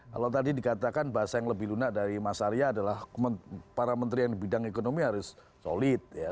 kalau tadi dikatakan bahasa yang lebih lunak dari mas arya adalah para menteri yang di bidang ekonomi harus solid ya